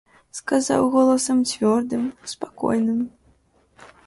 Сказаў голасам цвёрдым, спакойным.